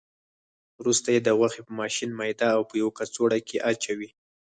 وروسته یې د غوښې په ماشین میده او په یوه کڅوړه کې اچوي.